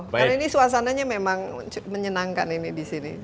karena ini suasananya memang menyenangkan ini di sini